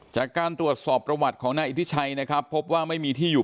จากการตรวจสอบประวัติของนายอิทธิชัยนะครับพบว่าไม่มีที่อยู่